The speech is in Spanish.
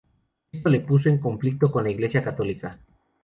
Esto le puso en conflicto con la Iglesia católica.